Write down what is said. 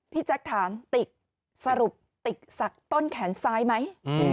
แจ๊คถามติกสรุปติกศักดิ์ต้นแขนซ้ายไหม